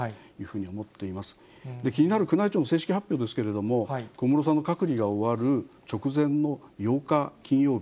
気になる宮内庁の正式発表ですけれども、小室さんの隔離が終わる直前の８日金曜日。